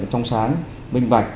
trong sáng minh vạch